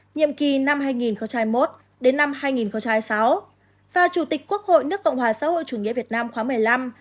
nhiệm kỳ năm hai nghìn hai mươi một đến năm hai nghìn hai mươi sáu và chủ tịch quốc hội nước cộng hòa xã hội chủ nghĩa việt nam khóa một mươi năm